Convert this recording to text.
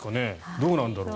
どうなんだろう。